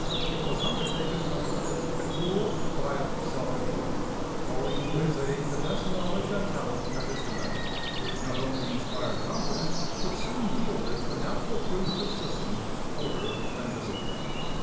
It was undertaken, however, with a cool, quiet self control, calling to his aid the best knowledge and talent at his command, which not only inspired confidence, but soon yielded the natural fruits of system, order, and discipline."